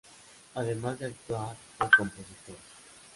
Además de actuar, fue compositor.